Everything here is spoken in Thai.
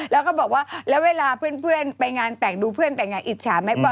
แล้วก็บอกว่าแล้วเวลาเพื่อนไปงานแต่งดูเพื่อนแต่งงานอิจฉาไหม